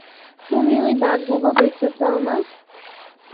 তুমি ওই দাগগুলো দেখতে চাও না?